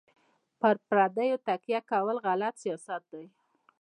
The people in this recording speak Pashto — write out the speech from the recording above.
په پردیو تکیه کول غلط سیاست دی.